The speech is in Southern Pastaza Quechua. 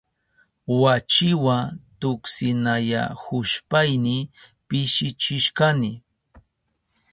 Wachiwa tuksinayahushpayni pishichishkani.